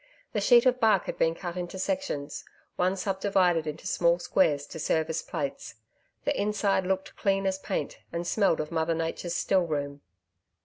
The sheet of bark had been cut into sections one sub divided into small squares to serve as plates. The inside looked clean as paint, and smelled of Mother Nature's still room.